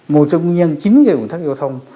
một trong những nhân chính gây uẩn tắc giao thông